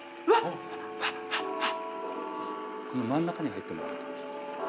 真ん中に入ってもらうと。